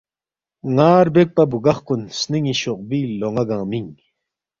نا ربیک پابگخ کن سنینی شوقبوئی لونا گنگمینگ